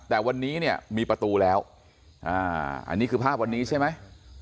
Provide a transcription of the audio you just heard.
แต่วันนี้เนี่ยมีประตูแล้วอันนี้คือภาพวันนี้ใช่ไหม